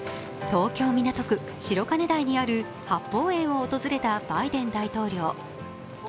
東京・港区、白金台にある八芳園を訪れたバイデン大統領。